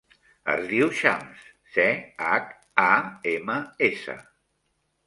Es diu Chams: ce, hac, a, ema, essa.